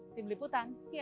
dibeliputan cnn indonesia